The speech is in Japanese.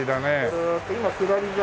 ぐるっと今下り坂